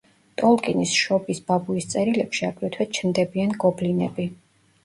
ტოლკინის „შობის ბაბუის წერილებში“ აგრეთვე ჩნდებიან გობლინები.